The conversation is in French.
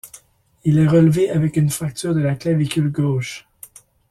Il est relevé avec une fracture de la clavicule gauche.